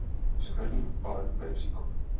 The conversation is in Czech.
Před každým valem vede příkop.